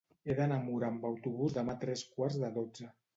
He d'anar a Mura amb autobús demà a tres quarts de dotze.